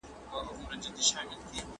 تمثیلي خطبه رښتیني خطبه نه ده.